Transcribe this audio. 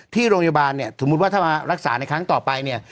ที่โรงพยาบาลเนี่ยสมมุติว่าถ้ามารักษาในครั้งต่อไปเนี่ย